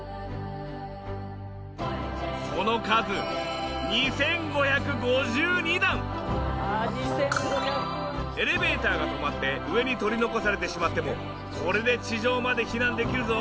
その数エレベーターが止まって上に取り残されてしまってもこれで地上まで避難できるぞ。